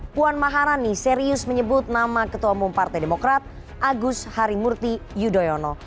puan maharani serius menyebut nama ketua umum partai demokrat agus harimurti yudhoyono